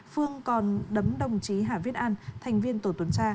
phương còn đấm đồng chí hả viết an thành viên tổ tuấn tra